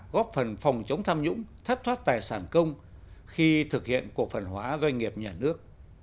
góp phần phòng chống tham nhũng thất thoát tài sản công khi thực hiện cổ phần hóa doanh nghiệp nhà nước